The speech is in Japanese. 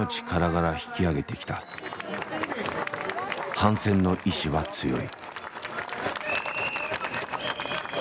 反戦の意思は強い。